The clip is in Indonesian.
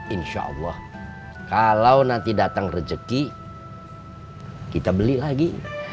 insya allah kalau nanti datang rezeki kita beli lagi